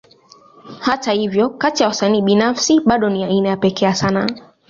Hata hivyo, kati ya wasanii binafsi, bado ni aina ya pekee ya sanaa.